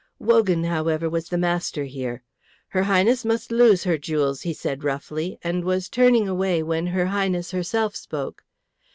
Wogan, however, was the master here. "Her Highness must lose her jewels," he said roughly, and was turning away when her Highness herself spoke.